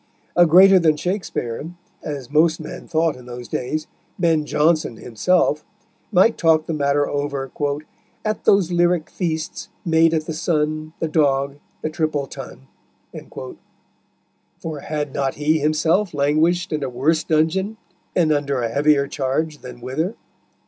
A greater than Shakespeare as most men thought in those days Ben Jonson himself, might talk the matter over "at those lyric feasts, Made at the Sun, The Dog, the triple Tun"; for had not he himself languished in a worse dungeon and under a heavier charge than Wither?